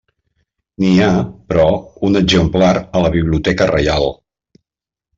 N'hi ha, però, un exemplar a la Biblioteca Reial.